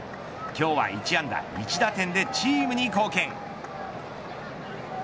今日は１安打１打点でチームに貢献。